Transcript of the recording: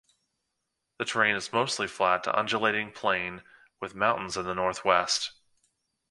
The terrain is mostly flat to undulating plain, with mountains in the northwest.